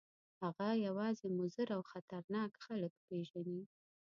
هغه یوازې مضر او خطرناک خلک پېژني.